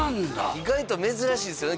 意外と珍しいですよね